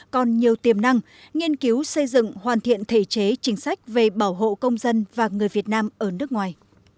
còn nhiều tiềm năng nghiên cứu xây dựng hoàn thiện thể chế chính sách về bảo hộ công dân và người việt nam ở nước ngoài